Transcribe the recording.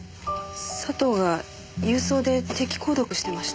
佐藤が郵送で定期購読していました。